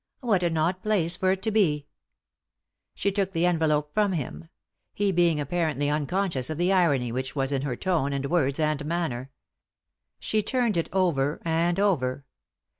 " What an odd place for it to be I " She took the envelope from him; he being apparently unconscious of the irony which was In her tone, and words, and manner. She turned it over and over.